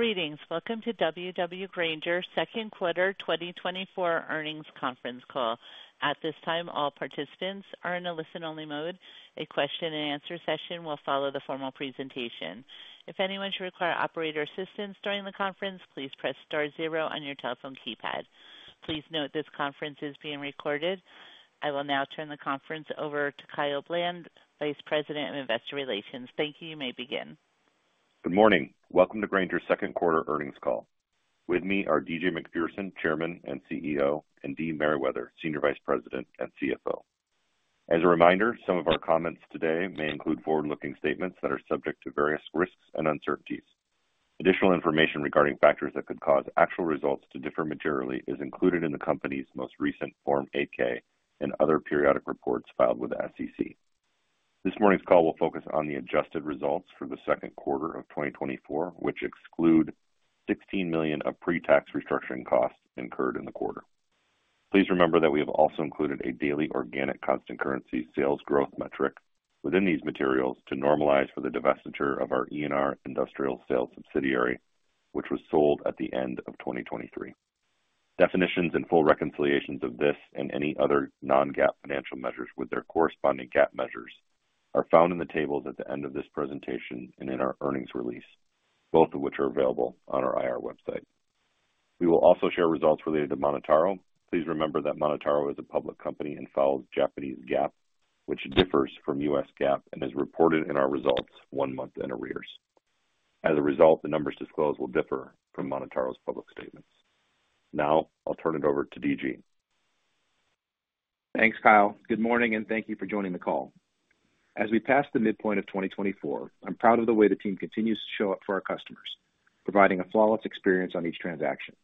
Greetings. Welcome to W.W. Grainger Second Quarter 2024 earnings conference call. At this time, all participants are in a listen-only mode. A question-and-answer session will follow the formal presentation. If anyone should require operator assistance during the conference, please press star zero on your telephone keypad. Please note this conference is being recorded. I will now turn the conference over to Kyle Bland, Vice President of Investor Relations. Thank you. You may begin Good morning. Welcome to Grainger Second Quarter earnings call. With me are D.G. Macpherson, Chairman and CEO, and Dee Merriwether, Senior Vice President and CFO. As a reminder, some of our comments today may include forward-looking statements that are subject to various risks and uncertainties. Additional information regarding factors that could cause actual results to differ materially is included in the company's most recent Form 8-K and other periodic reports filed with the SEC. This morning's call will focus on the adjusted results for the second quarter of 2024, which exclude $16 million of pre-tax restructuring costs incurred in the quarter. Please remember that we have also included a daily organic constant currency sales growth metric within these materials to normalize for the divestiture of our E&R Industrial Sales subsidiary, which was sold at the end of 2023. Definitions and full reconciliations of this and any other non-GAAP financial measures with their corresponding GAAP measures are found in the tables at the end of this presentation and in our earnings release, both of which are available on our IR website. We will also share results related to MonotaRO. Please remember that MonotaRO is a public company and follows Japanese GAAP, which differs from U.S. GAAP and is reported in our results one month in arrears. As a result, the numbers disclosed will differ from MonotaRO's public statements. Now, I'll turn it over to D.G. Thanks, Kyle. Good morning, and thank you for joining the call. As we pass the midpoint of 2024, I'm proud of the way the team continues to show up for our customers, providing a flawless experience on each transaction.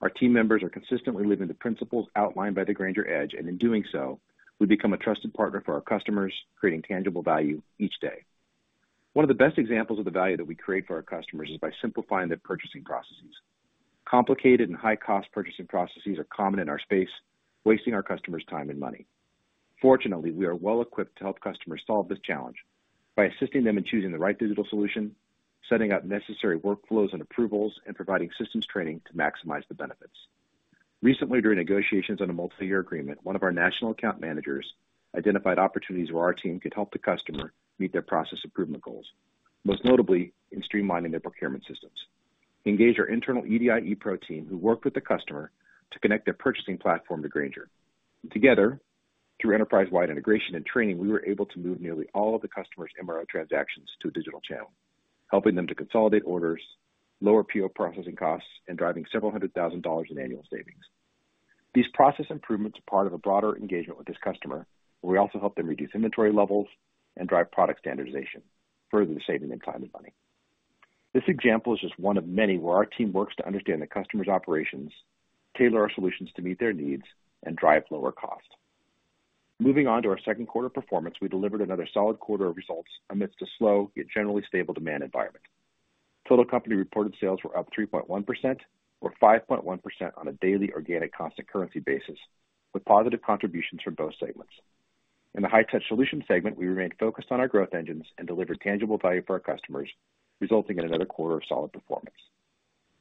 Our team members are consistently living the principles outlined by the Grainger Edge, and in doing so, we become a trusted partner for our customers, creating tangible value each day. One of the best examples of the value that we create for our customers is by simplifying their purchasing processes. Complicated and high-cost purchasing processes are common in our space, wasting our customers' time and money. Fortunately, we are well-equipped to help customers solve this challenge by assisting them in choosing the right digital solution, setting up necessary workflows and approvals, and providing systems training to maximize the benefits. Recently, during negotiations on a multi-year agreement, one of our national account managers identified opportunities where our team could help the customer meet their process improvement goals, most notably in streamlining their procurement systems. We engaged our internal EDI ePro team, who worked with the customer, to connect their purchasing platform to Grainger. Together, through enterprise-wide integration and training, we were able to move nearly all of the customer's MRO transactions to a digital channel, helping them to consolidate orders, lower PO processing costs, and driving several hundred thousand in annual savings. These process improvements are part of a broader engagement with this customer, where we also help them reduce inventory levels and drive product standardization, further saving them time and money. This example is just one of many where our team works to understand the customer's operations, tailor our solutions to meet their needs, and drive lower costs. Moving on to our second quarter performance, we delivered another solid quarter of results amidst a slow yet generally stable demand environment. Total company reported sales were up 3.1%, or 5.1% on a daily organic constant currency basis, with positive contributions from both segments. In the High-Touch Solutions segment, we remained focused on our growth engines and delivered tangible value for our customers, resulting in another quarter of solid performance.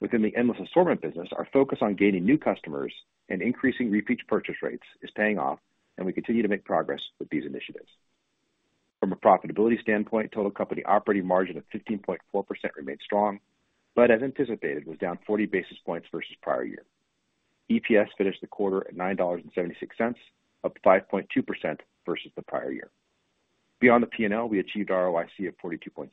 Within the Endless Assortment business, our focus on gaining new customers and increasing repeat purchase rates is paying off, and we continue to make progress with these initiatives. From a profitability standpoint, total company operating margin of 15.4% remained strong, but as anticipated, was down 40 basis points versus prior year. EPS finished the quarter at $9.76, up 5.2% versus the prior year. Beyond the P&L, we achieved ROIC of 42.6%,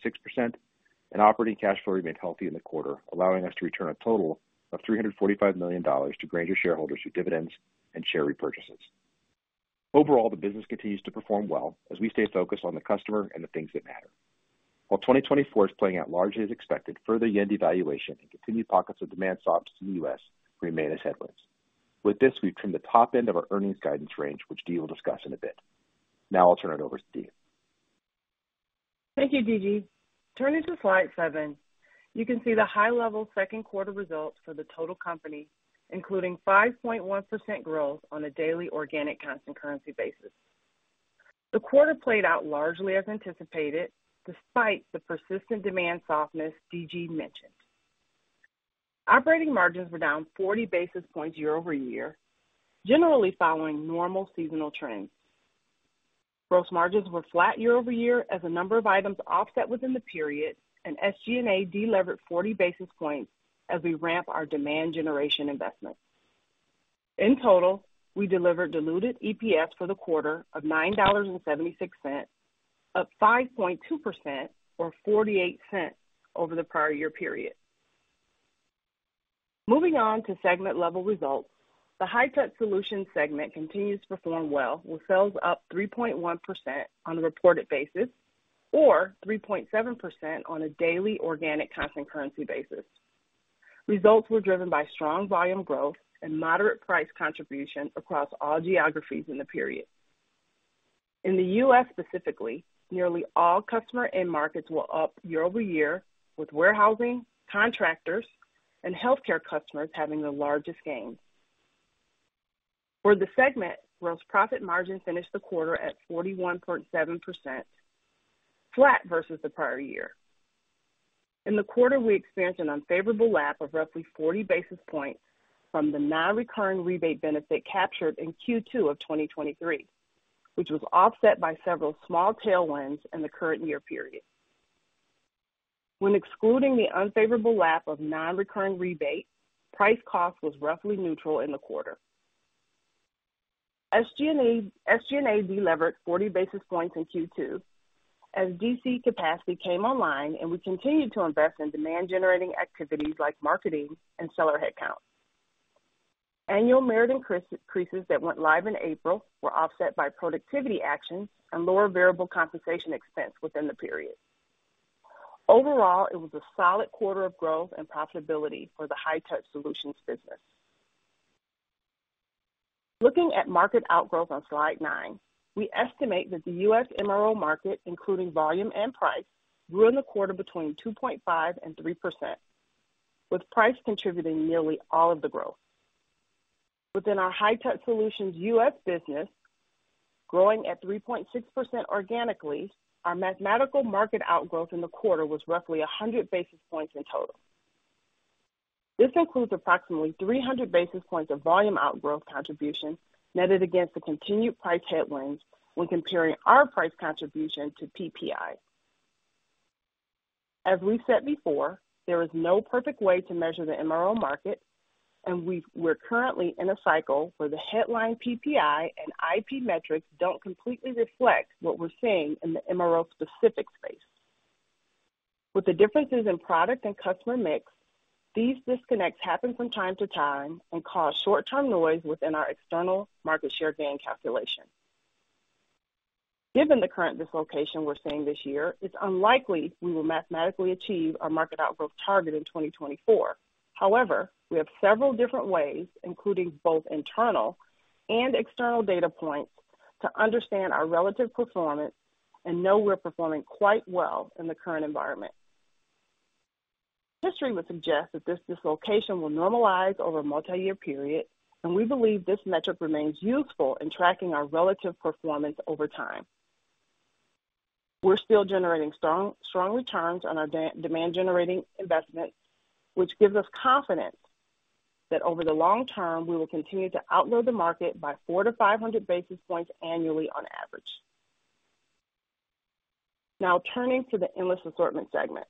and operating cash flow remained healthy in the quarter, allowing us to return a total of $345 million to Grainger shareholders through dividends and share repurchases. Overall, the business continues to perform well as we stay focused on the customer and the things that matter. While 2024 is playing out largely as expected, further JPY devaluation and continued pockets of demand softness in the U.S. remain as headwinds. With this, we've trimmed the top end of our earnings guidance range, which Dee will discuss in a bit. Now, I'll turn it over to Dee. Thank you, D.G. Turning to slide seven, you can see the high-level second quarter results for the total company, including 5.1% growth on a daily organic constant currency basis. The quarter played out largely as anticipated, despite the persistent demand softness D.G. mentioned. Operating margins were down 40 basis points year over year, generally following normal seasonal trends. Gross margins were flat year over year as a number of items offset within the period, and SG&A delivered 40 basis points as we ramp our demand generation investment. In total, we delivered diluted EPS for the quarter of $9.76, up 5.2%, or $0.48 over the prior year period. Moving on to segment-level results, the High-Touch Solutions segment continues to perform well, with sales up 3.1% on a reported basis or 3.7% on a daily organic constant currency basis. Results were driven by strong volume growth and moderate price contribution across all geographies in the period. In the U.S. specifically, nearly all customer end markets were up year-over-year, with warehousing, contractors, and healthcare customers having the largest gain. For the segment, gross profit margin finished the quarter at 41.7%, flat versus the prior year. In the quarter, we experienced an unfavorable lap of roughly 40 basis points from the non-recurring rebate benefit captured in Q2 of 2023, which was offset by several small tailwinds in the current year period. When excluding the unfavorable lap of non-recurring rebate, price cost was roughly neutral in the quarter. SG&A delivered 40 basis points in Q2 as DC capacity came online, and we continued to invest in demand-generating activities like marketing and seller headcount. Annual merit increases that went live in April were offset by productivity actions and lower variable compensation expense within the period. Overall, it was a solid quarter of growth and profitability for the High-Touch Solutions business. Looking at market outgrowth on slide 9, we estimate that the U.S. MRO market, including volume and price, grew in the quarter between 2.5% and 3%, with price contributing nearly all of the growth. Within our High-Touch Solutions U.S. business, growing at 3.6% organically, our mathematical market outgrowth in the quarter was roughly 100 basis points in total. This includes approximately 300 basis points of volume outgrowth contribution netted against the continued price headwinds when comparing our price contribution to PPI. As we said before, there is no perfect way to measure the MRO market, and we're currently in a cycle where the headline PPI and IP metrics don't completely reflect what we're seeing in the MRO-specific space. With the differences in product and customer mix, these disconnects happen from time to time and cause short-term noise within our external market share gain calculation. Given the current dislocation we're seeing this year, it's unlikely we will mathematically achieve our market outgrowth target in 2024. However, we have several different ways, including both internal and external data points, to understand our relative performance and know we're performing quite well in the current environment. History would suggest that this dislocation will normalize over a multi-year period, and we believe this metric remains useful in tracking our relative performance over time. We're still generating strong returns on our demand-generating investments, which gives us confidence that over the long term, we will continue to outgrow the market by 400-500 basis points annually on average. Now, turning to the Endless Assortment segment.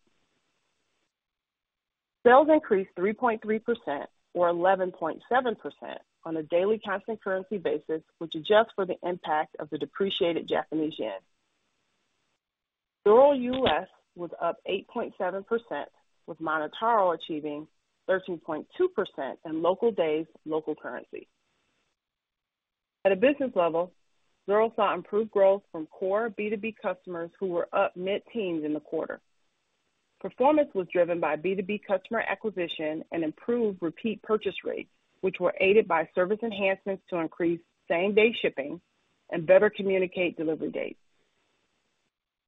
Sales increased 3.3%, or 11.7%, on a daily constant currency basis, which adjusts for the impact of the depreciated JPY. Total Zoro U.S. was up 8.7%, with MonotaRO achieving 13.2% in local days, local currency. At a business level, Zoro saw improved growth from core B2B customers who were up mid-teens in the quarter. Performance was driven by B2B customer acquisition and improved repeat purchase rates, which were aided by service enhancements to increase same-day shipping and better communicate delivery dates.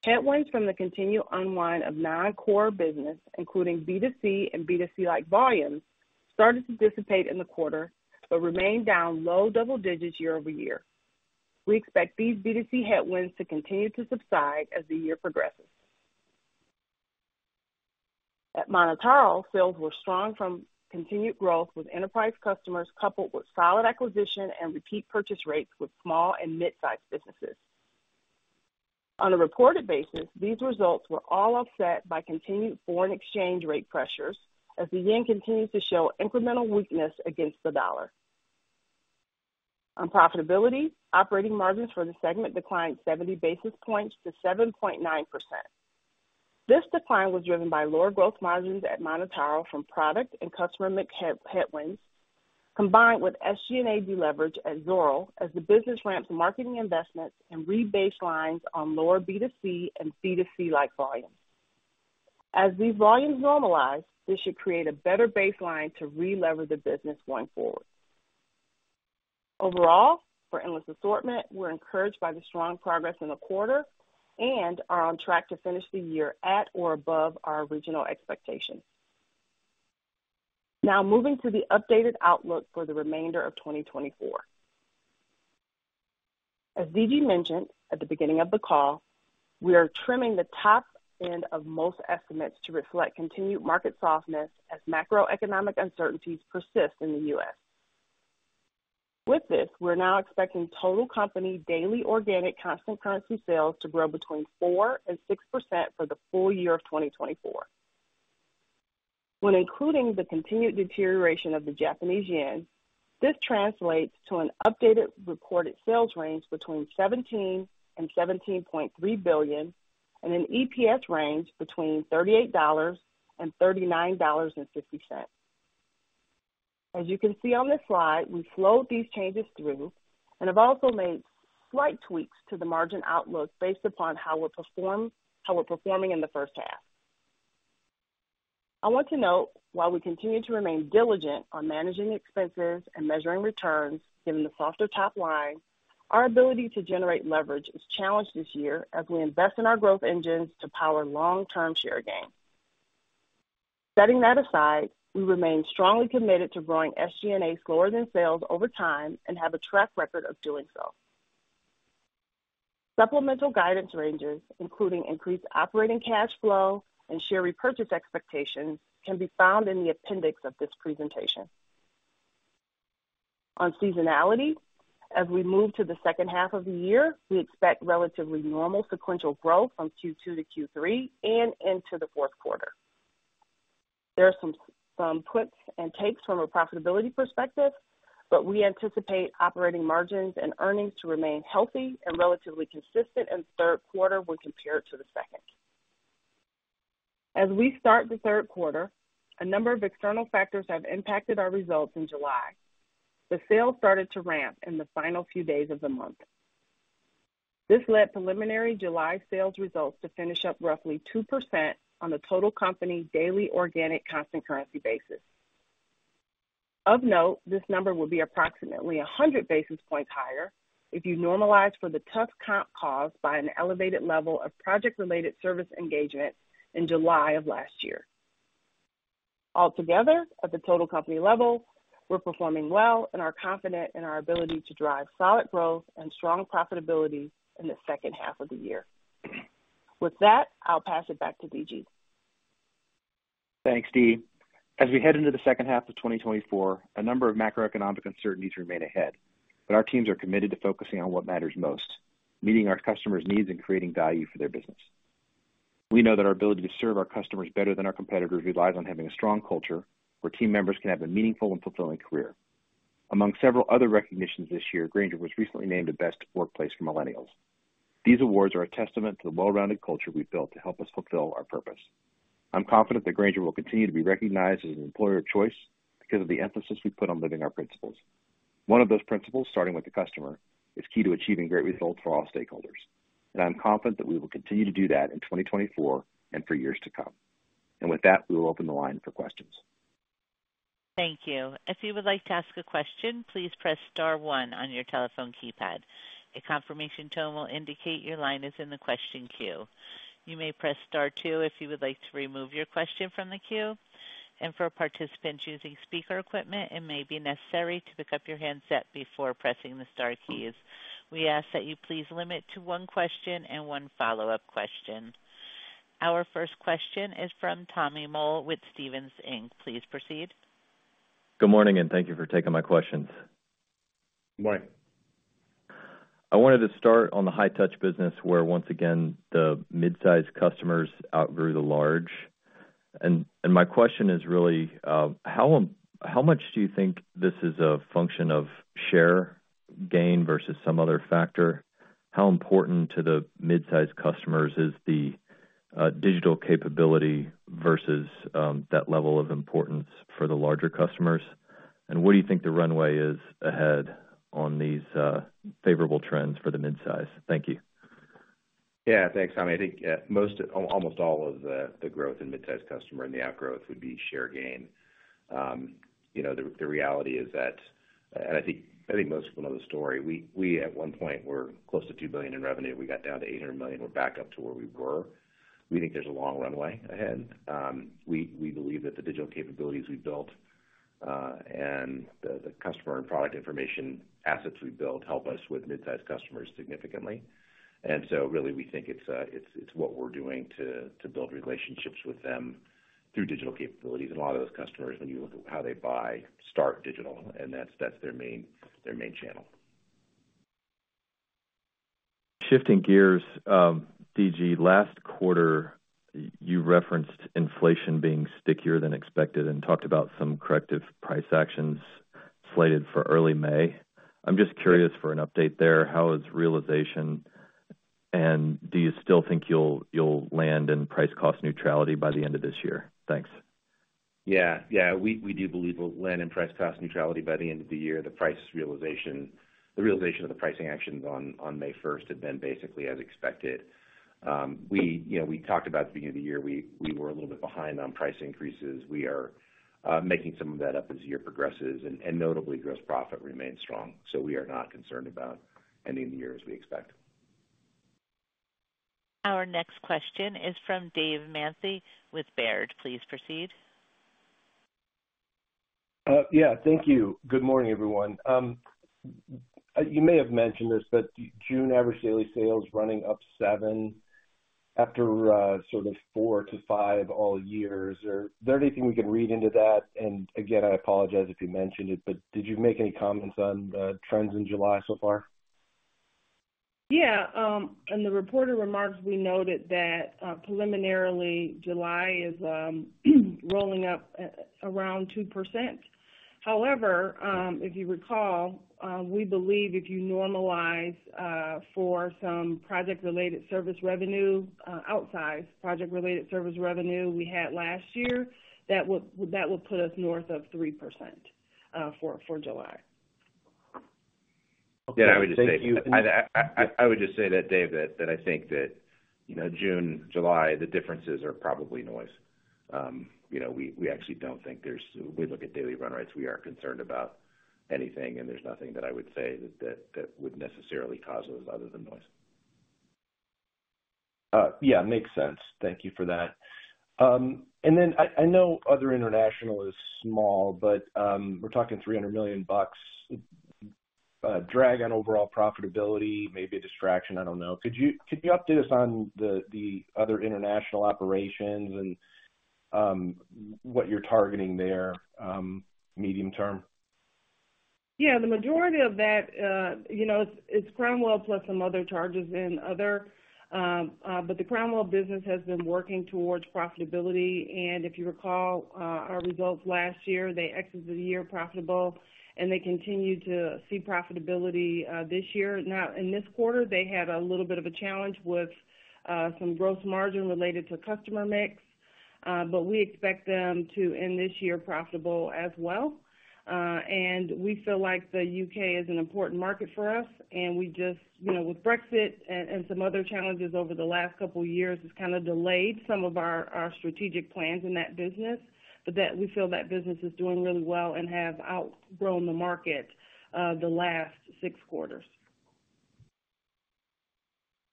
Headwinds from the continued unwind of non-core business, including B2C and B2C-like volumes, started to dissipate in the quarter but remained down low double digits year-over-year. We expect these B2C headwinds to continue to subside as the year progresses. At MonotaRO, sales were strong from continued growth with enterprise customers coupled with solid acquisition and repeat purchase rates with small and mid-sized businesses. On a reported basis, these results were all offset by continued foreign exchange rate pressures as the JPY continues to show incremental weakness against the dollar. On profitability, operating margins for the segment declined 70 basis points to 7.9%. This decline was driven by lower gross margins at MonotaRO from product and customer headwinds, combined with SG&A deleverage at Zoro as the business ramped marketing investments and rebaselines on lower B2C and B2C-like volumes. As these volumes normalize, this should create a better baseline to re-lever the business going forward. Overall, for Endless Assortment, we're encouraged by the strong progress in the quarter and are on track to finish the year at or above our original expectations. Now, moving to the updated outlook for the remainder of 2024. As D.G. mentioned at the beginning of the call, we are trimming the top end of most estimates to reflect continued market softness as macroeconomic uncertainties persist in the U.S. With this, we're now expecting total company daily organic constant currency sales to grow between 4% and 6% for the full year of 2024. When including the continued deterioration of the JPY, this translates to an updated reported sales range between $17 billion and $17.3 billion and an EPS range between $38 and $39.50. As you can see on this slide, we've slowed these changes through and have also made slight tweaks to the margin outlook based upon how we're performing in the first half. I want to note, while we continue to remain diligent on managing expenses and measuring returns given the softer top line, our ability to generate leverage is challenged this year as we invest in our growth engines to power long-term share gain. Setting that aside, we remain strongly committed to growing SG&A slower than sales over time and have a track record of doing so. Supplemental guidance ranges, including increased operating cash flow and share repurchase expectations, can be found in the appendix of this presentation. On seasonality, as we move to the second half of the year, we expect relatively normal sequential growth from Q2-Q3 and into the fourth quarter. There are some puts and takes from a profitability perspective, but we anticipate operating margins and earnings to remain healthy and relatively consistent in the third quarter when compared to the second. As we start the third quarter, a number of external factors have impacted our results in July. The sales started to ramp in the final few days of the month. This led preliminary July sales results to finish up roughly 2% on the total company daily organic constant currency basis. Of note, this number would be approximately 100 basis points higher if you normalize for the tough comp caused by an elevated level of project-related service engagement in July of last year. Altogether, at the total company level, we're performing well and are confident in our ability to drive solid growth and strong profitability in the second half of the year. With that, I'll pass it back to D.G. Thanks, Dee. As we head into the second half of 2024, a number of macroeconomic uncertainties remain ahead, but our teams are committed to focusing on what matters most: meeting our customers' needs and creating value for their business. We know that our ability to serve our customers better than our competitors relies on having a strong culture where team members can have a meaningful and fulfilling career. Among several other recognitions this year, Grainger was recently named a Best Workplace for Millennials. These awards are a testament to the well-rounded culture we've built to help us fulfill our purpose. I'm confident that Grainger will continue to be recognized as an employer of choice because of the emphasis we put on living our principles. One of those principles, starting with the customer, is key to achieving great results for all stakeholders, and I'm confident that we will continue to do that in 2024 and for years to come. With that, we will open the line for questions. Thank you. If you would like to ask a question, please press Star one on your telephone keypad. A confirmation tone will indicate your line is in the question queue. You may press Star two if you would like to remove your question from the queue. For participants using speaker equipment, it may be necessary to pick up your handset before pressing the Star keys. We ask that you please limit to one question and one follow-up question. Our first question is from Tommy Moll with Stephens Inc. Please proceed. Good morning, and thank you for taking my questions. Good morning. I wanted to start on the high-touch business where, once again, the mid-sized customers outgrew the large. My question is really, how much do you think this is a function of share gain versus some other factor? How important to the mid-sized customers is the digital capability versus that level of importance for the larger customers? And what do you think the runway is ahead on these favorable trends for the mid-size? Thank you. Yeah, thanks, Tommy. I think almost all of the growth in mid-sized customer and the outgrowth would be share gain. The reality is that, and I think most people know the story, we at one point were close to $2 billion in revenue. We got down to $800 million. We're back up to where we were. We think there's a long runway ahead. We believe that the digital capabilities we built and the customer and product information assets we built help us with mid-sized customers significantly. And so really, we think it's what we're doing to build relationships with them through digital capabilities. And a lot of those customers, when you look at how they buy, start digital, and that's their main channel. Shifting gears, D.G., last quarter, you referenced inflation being stickier than expected and talked about some corrective price actions slated for early May. I'm just curious for an update there. How is realization, and do you still think you'll land in price cost neutrality by the end of this year? Thanks. Yeah, yeah. We do believe we'll land in price cost neutrality by the end of the year. The realization of the pricing actions on May 1st had been basically as expected. We talked about at the beginning of the year, we were a little bit behind on price increases. We are making some of that up as the year progresses, and notably, gross profit remains strong. So we are not concerned about ending the year as we expect. Our next question is from David Manthey with Baird. Please proceed. Yeah, thank you. Good morning, everyone. You may have mentioned this, but June average daily sales running up 7 after sort of 4-5 all years. Is there anything we can read into that? And again, I apologize if you mentioned it, but did you make any comments on trends in July so far? Yeah. In the prepared remarks, we noted that preliminarily, July is rolling up around 2%. However, if you recall, we believe if you normalize for some project-related service revenue, outsized project-related service revenue we had last year, that would put us north of 3% for July. Yeah, I would just say. Thank you. I would just say that, David, that I think that June, July, the differences are probably noise. We actually don't think there's. We look at daily run rates. We are concerned about anything, and there's nothing that I would say that would necessarily cause those other than noise. Yeah, makes sense. Thank you for that. And then I know other international is small, but we're talking $300 million. Drag on overall profitability, maybe a distraction. I don't know. Could you update us on the other international operations and what you're targeting there, medium term? Yeah. The majority of that, it's Cromwell plus some other charges in other, but the Cromwell business has been working towards profitability. And if you recall our results last year, they exited the year profitable, and they continue to see profitability this year. Now, in this quarter, they had a little bit of a challenge with some gross margin related to customer mix, but we expect them to end this year profitable as well. And we feel like the U.K. is an important market for us, and we just, with Brexit and some other challenges over the last couple of years, it's kind of delayed some of our strategic plans in that business, but we feel that business is doing really well and has outgrown the market the last six quarters.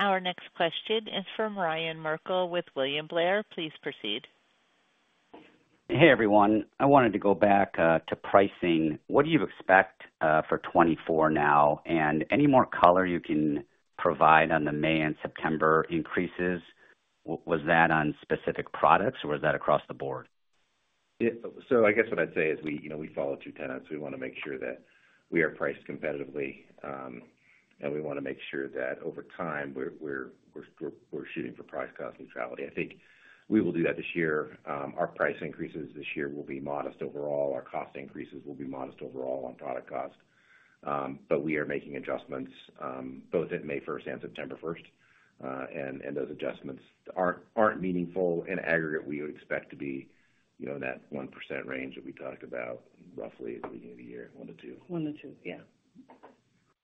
Our next question is from Ryan Merkel with William Blair. Please proceed. Hey, everyone. I wanted to go back to pricing. What do you expect for 2024 now? And any more color you can provide on the May and September increases? Was that on specific products, or was that across the board? So I guess what I'd say is we follow two tenets. We want to make sure that we are priced competitively, and we want to make sure that over time, we're shooting for price cost neutrality. I think we will do that this year. Our price increases this year will be modest overall. Our cost increases will be modest overall on product cost, but we are making adjustments both at May 1st and September 1st, and those adjustments aren't meaningful in aggregate. We would expect to be in that 1% range that we talked about roughly at the beginning of the year, 1%-2%. 1%-2%, yeah.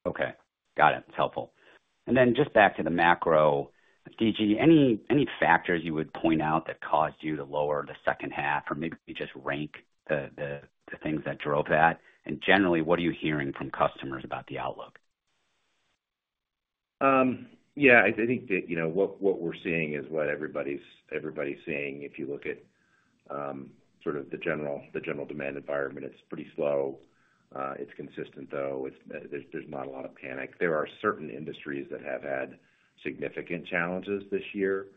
Okay. Got it. That's helpful. And then just back to the macro, D.G., any factors you would point out that caused you to lower the second half or maybe just rank the things that drove that? And generally, what are you hearing from customers about the outlook? Yeah. I think that what we're seeing is what everybody's seeing. If you look at sort of the general demand environment, it's pretty slow. It's consistent, though. There's not a lot of panic. There are certain industries that have had significant challenges this year: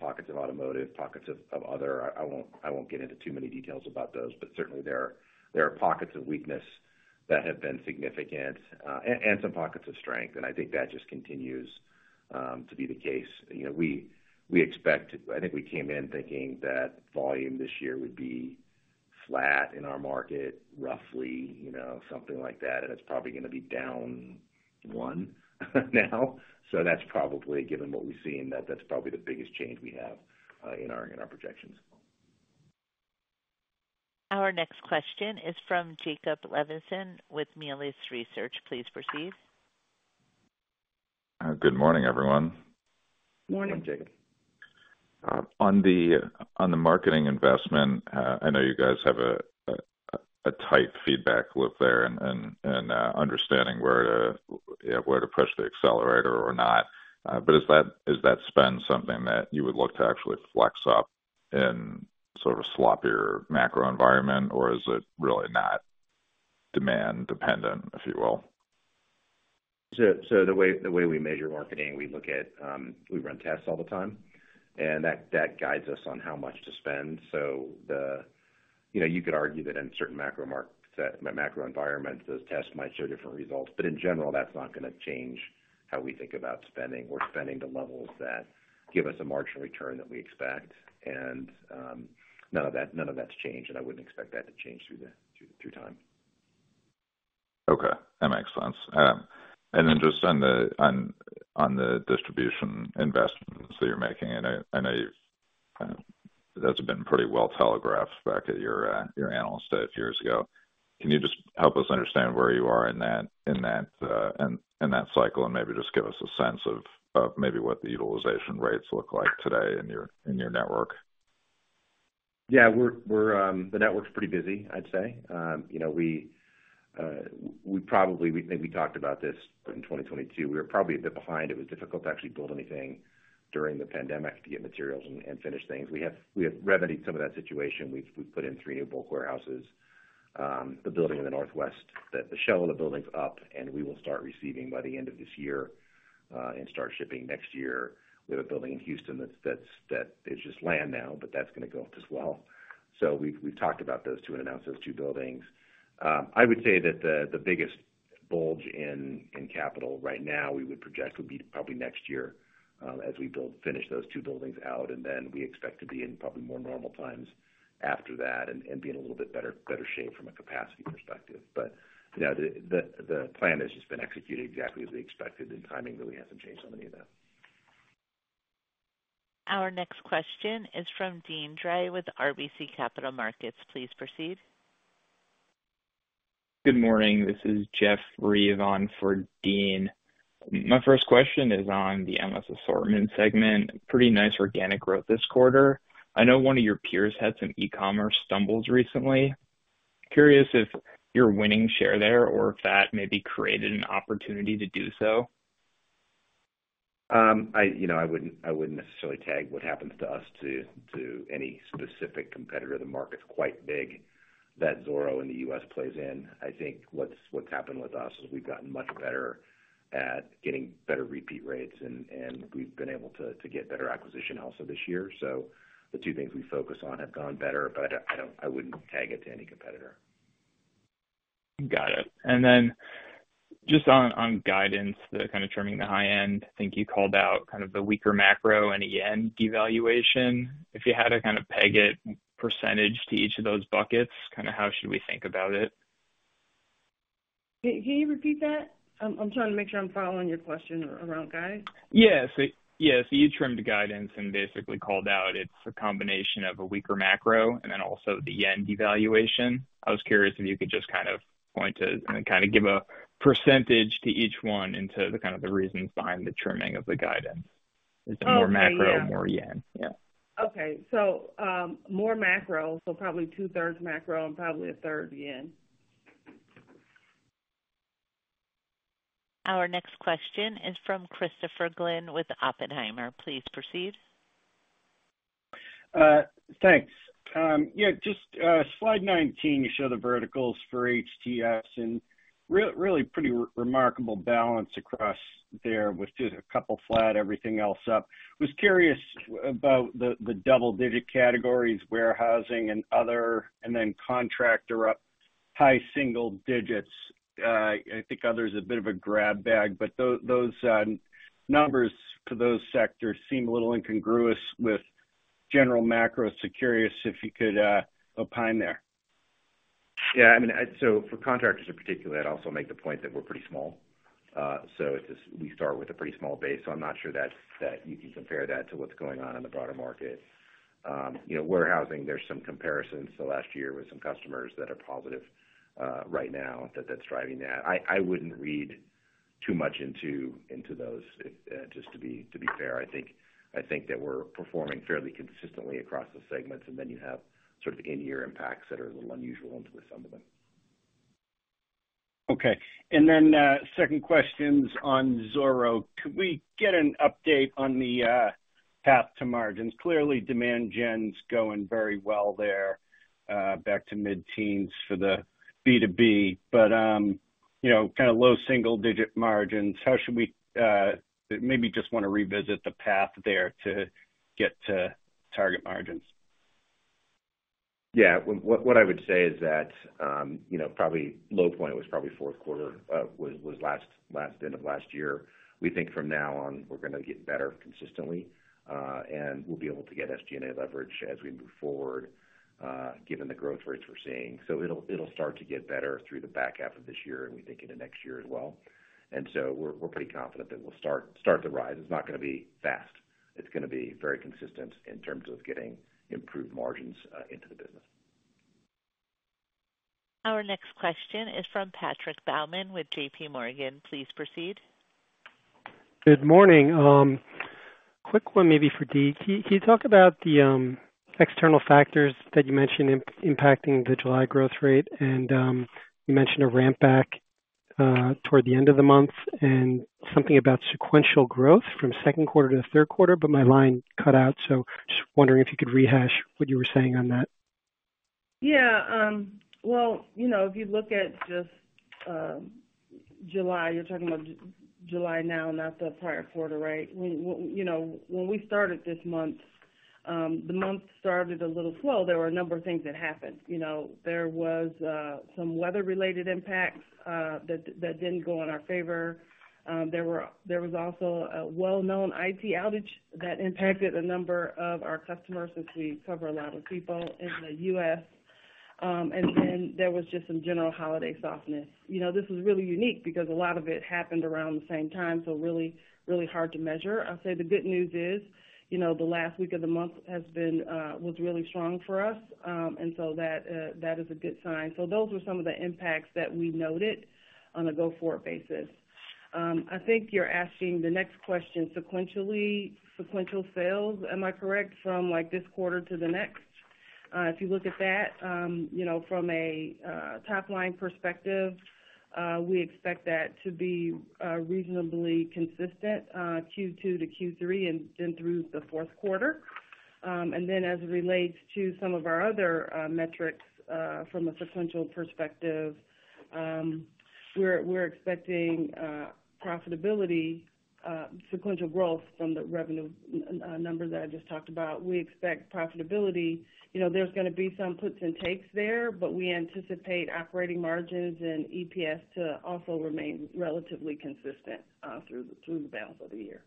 pockets of automotive, pockets of other. I won't get into too many details about those, but certainly, there are pockets of weakness that have been significant and some pockets of strength. And I think that just continues to be the case. We expect, I think we came in thinking that volume this year would be flat in our market, roughly something like that, and it's probably going to be down 1 now. So that's probably, given what we've seen, that's probably the biggest change we have in our projections. Our next question is from Jacob Levinson with Melius Research. Please proceed. Good morning, everyone. Morning. Morning, Jacob. On the marketing investment, I know you guys have a tight feedback loop there and understanding where to push the accelerator or not, but is that spend something that you would look to actually flex up in sort of a sloppier macro environment, or is it really not demand-dependent, if you will? So the way we measure marketing, we look at, we run tests all the time, and that guides us on how much to spend. So you could argue that in certain macro environments, those tests might show different results, but in general, that's not going to change how we think about spending. We're spending to levels that give us a marginal return that we expect, and none of that's changed, and I wouldn't expect that to change through time. Okay. That makes sense. And then just on the distribution investments that you're making, I know that's been pretty well telegraphed back at your Analyst Day a few years ago. Can you just help us understand where you are in that cycle and maybe just give us a sense of maybe what the utilization rates look like today in your network? Yeah. The network's pretty busy, I'd say. We probably—we talked about this in 2022. We were probably a bit behind. It was difficult to actually build anything during the pandemic to get materials and finish things. We have remedied some of that situation. We've put in 3 new bulk warehouses. The building in the Northwest, the shell of the building's up, and we will start receiving by the end of this year and start shipping next year. We have a building in Houston that is just land now, but that's going to go up as well. So we've talked about those two and announced those two buildings. I would say that the biggest bulge in capital right now, we would project, would be probably next year as we finish those two buildings out, and then we expect to be in probably more normal times after that and be in a little bit better shape from a capacity perspective. But the plan has just been executed exactly as we expected, and timing really hasn't changed on any of that. Our next question is from Dean Dray with RBC Capital Markets. Please proceed. Good morning. This is Jeff in for Dean Dray. My first question is on the Endless Assortment segment. Pretty nice organic growth this quarter. I know one of your peers had some e-commerce stumbles recently. Curious if you're winning share there or if that maybe created an opportunity to do so. I wouldn't necessarily tag what happens to us to any specific competitor. The market's quite big that Zoro in the U.S. plays in. I think what's happened with us is we've gotten much better at getting better repeat rates, and we've been able to get better acquisition also this year. So the two things we focus on have gone better, but I wouldn't tag it to any competitor. Got it. And then just on guidance, the kind of trimming the high end, I think you called out kind of the weaker macro and the JPY devaluation. If you had to kind of peg it percentage to each of those buckets, kind of how should we think about it? Can you repeat that? I'm trying to make sure I'm following your question around guidance. Yeah. So you trimmed the guidance and basically called out it's a combination of a weaker macro and then also the JPY devaluation. I was curious if you could just kind of point to and kind of give a percentage to each one into kind of the reasons behind the trimming of the guidance. Is it more macro, more JPY? Okay. So more macro, so probably two-thirds macro and probably a third JPY. Our next question is from Christopher Glynn with Oppenheimer. Please proceed. Thanks. Yeah. Just slide 19, you show the verticals for HTS and really pretty remarkable balance across there with just a couple flat, everything else up. I was curious about the double-digit categories, warehousing and other, and then contractor up high single digits. I think others are a bit of a grab bag, but those numbers for those sectors seem a little incongruous with general macro. So curious if you could opine there. Yeah. I mean, so for contractors in particular, I'd also make the point that we're pretty small. So we start with a pretty small base. So I'm not sure that you can compare that to what's going on in the broader market. Warehousing, there's some comparisons the last year with some customers that are positive right now that's driving that. I wouldn't read too much into those, just to be fair. I think that we're performing fairly consistently across the segments, and then you have sort of in-year impacts that are a little unusual into the sum of them. Okay. Then second question on Zoro. Could we get an update on the path to margins? Clearly, demand gen's going very well there, back to mid-teens for the B2B, but kind of low single-digit margins. How should we maybe just want to revisit the path there to get to target margins? Yeah. What I would say is that probably low point was probably fourth quarter, was last end of last year. We think from now on, we're going to get better consistently, and we'll be able to get SG&A leverage as we move forward, given the growth rates we're seeing. So it'll start to get better through the back half of this year, and we think into next year as well. And so we're pretty confident that we'll start the rise. It's not going to be fast. It's going to be very consistent in terms of getting improved margins into the business. Our next question is from Patrick Baumann with JPMorgan. Please proceed. Good morning. Quick one, maybe for Dee. Can you talk about the external factors that you mentioned impacting the July growth rate? And you mentioned a ramp back toward the end of the month and something about sequential growth from second quarter to third quarter, but my line cut out. So just wondering if you could rehash what you were saying on that. Yeah. Well, if you look at just July, you're talking about July now, not the prior quarter, right? When we started this month, the month started a little slow. There were a number of things that happened. There was some weather-related impacts that didn't go in our favor. There was also a well-known IT outage that impacted a number of our customers since we cover a lot of people in the U.S. And then there was just some general holiday softness. This was really unique because a lot of it happened around the same time, so really, really hard to measure. I'll say the good news is the last week of the month was really strong for us, and so that is a good sign. So those were some of the impacts that we noted on a go-forward basis. I think you're asking the next question, sequential sales, am I correct, from this quarter to the next? If you look at that from a top-line perspective, we expect that to be reasonably consistent, Q2 to Q3, and then through the fourth quarter. And then as it relates to some of our other metrics from a sequential perspective, we're expecting profitability, sequential growth from the revenue numbers that I just talked about. We expect profitability. There's going to be some puts and takes there, but we anticipate operating margins and EPS to also remain relatively consistent through the balance of the year.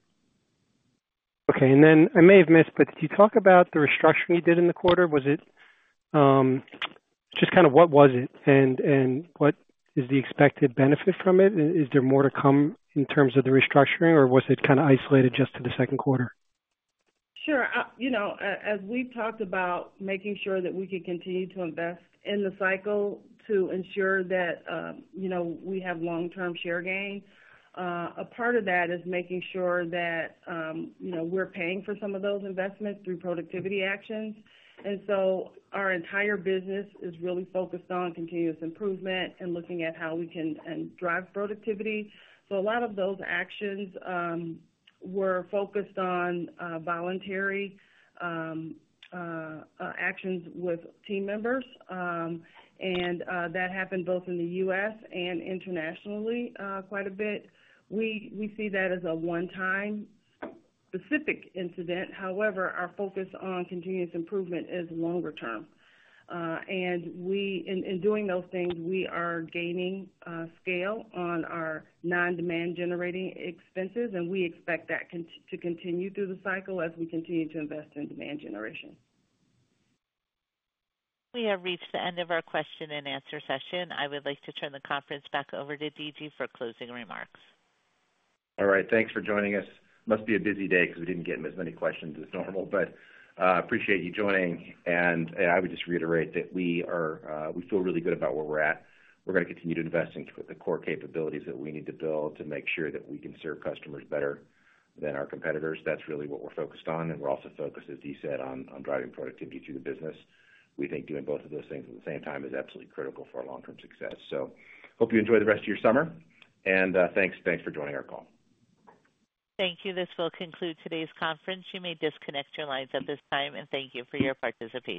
Okay. And then I may have missed, but did you talk about the restructuring you did in the quarter? Just kind of what was it and what is the expected benefit from it? Is there more to come in terms of the restructuring, or was it kind of isolated just to the second quarter? Sure. As we've talked about making sure that we can continue to invest in the cycle to ensure that we have long-term share gain. A part of that is making sure that we're paying for some of those investments through productivity actions. And so our entire business is really focused on continuous improvement and looking at how we can drive productivity. So a lot of those actions were focused on voluntary actions with team members, and that happened both in the U.S. and internationally quite a bit. We see that as a one-time specific incident. However, our focus on continuous improvement is longer term. And in doing those things, we are gaining scale on our non-demand-generating expenses, and we expect that to continue through the cycle as we continue to invest in demand generation. We have reached the end of our question and answer session. I would like to turn the conference back over to D.G. for closing remarks. All right. Thanks for joining us. Must be a busy day because we didn't get as many questions as normal, but I appreciate you joining. I would just reiterate that we feel really good about where we're at. We're going to continue to invest in the core capabilities that we need to build to make sure that we can serve customers better than our competitors. That's really what we're focused on. We're also focused, as Dee said, on driving productivity through the business. We think doing both of those things at the same time is absolutely critical for our long-term success. Hope you enjoy the rest of your summer, and thanks for joining our call. Thank you. This will conclude today's conference. You may disconnect your lines at this time, and thank you for your participation.